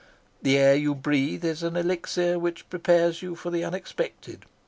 The air you breathe is an elixir which prepares you for the unexpected.